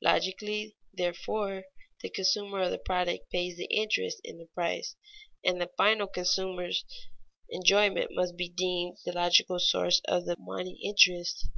Logically, therefore, the consumer of the product pays the interest in the price, and the final consumer's enjoyment must be deemed the logical source of the money interest.